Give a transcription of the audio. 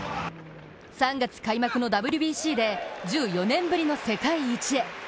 ３月開幕のＷＢＣで１４年ぶりの世界一へ。